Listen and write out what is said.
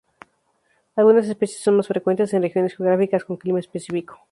Algunas especies son más frecuentes en regiones geográficas con clima específico.